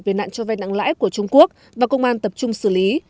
về nạn cho vai nặng lãi của trung quốc và công an tập trung xử lý